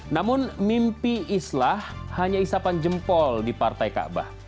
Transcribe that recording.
namun mimpi islah hanya isapan jempol di partai kaabah